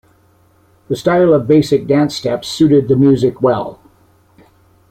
The style of basic dance steps suited the music well.